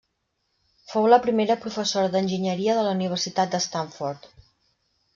Fou la primera professora d'enginyeria de la Universitat de Stanford.